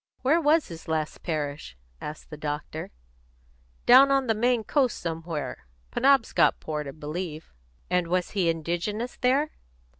"Where was his last parish?" asked the doctor. "Down on the Maine coast somewhere. Penobscotport, I believe." "And was he indigenous there?"